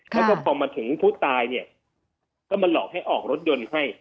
แล้วก็พอมาถึงผู้ตายเนี่ยก็มาหลอกให้ออกรถยนต์ให้